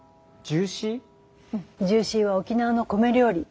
ジューシーは沖縄の米料理。